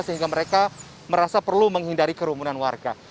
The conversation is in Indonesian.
sehingga mereka merasa perlu menghindari kerumunan warga